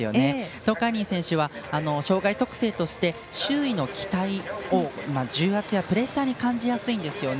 東海林選手は障がい特性として周囲の期待を、重圧やプレッシャーに感じやすいんですよね。